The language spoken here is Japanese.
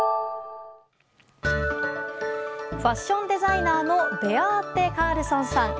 ファッションデザイナーのベアーテ・カールソンさん。